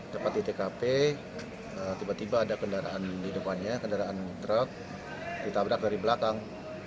dapat di tkp tiba tiba ada kendaraan di depannya kendaraan truk ditabrak dari belakang